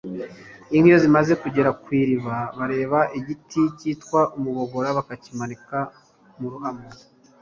Inka iyo zimaze kugera ku iriba bareba igiti kitwa umubogora bakakimanika mu ruhamo